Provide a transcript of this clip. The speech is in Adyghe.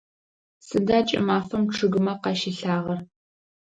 Сыда кӏымафэм чъыгымэ къащилъагъэр?